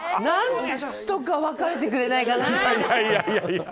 何とか別れてくれないかな。